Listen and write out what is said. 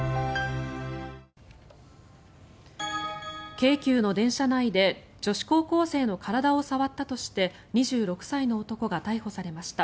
京急の電車内で女子高校生の体を触ったとして２６歳の男が逮捕されました。